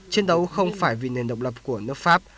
chiến đấu không phải vì nền độc lập của nước pháp